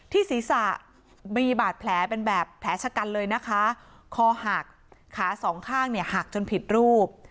ศีรษะมีบาดแผลเป็นแบบแผลชะกันเลยนะคะคอหักขาสองข้างเนี่ยหักจนผิดรูป